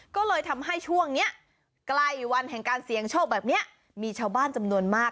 ก็เลยทำให้ช่วงนี้ใกล้วันแห่งการเสี่ยงโชคแบบนี้มีชาวบ้านจำนวนมาก